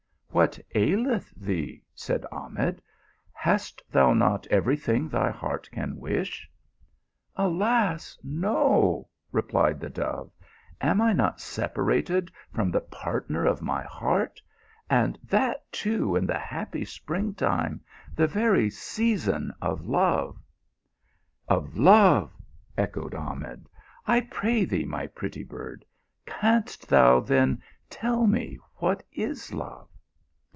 " What aileth thee ?" said Ahmed. " Hast thou not every thing thy heart can wish ?" "Alas, no !" replied the dove, " am I not sepa rated from the partner of my heart and that too in the happy spring time the very season of love ?" THE PILGRIM OF LOVE. 197 " Of love !" echoed Ahmed. " I pray thee, my pretty bird, canst thou then tell me what is love?